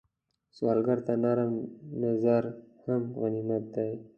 سوالګر ته نرم نظر هم غنیمت دی